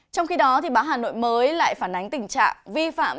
trong khi đó báo hà nội mới lại phản ánh tình trạng vi phạm